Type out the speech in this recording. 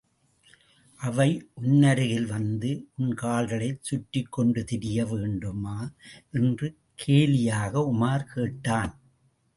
அவை, உன்னருகில் வந்து, உன் கால்களைச் சுற்றிக்கொண்டு திரிய வேண்டுமா? என்று கேலியாக உமார் கேட்டான்.